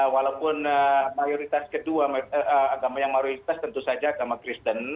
walaupun mayoritas kedua agama yang mayoritas tentu saja agama kristen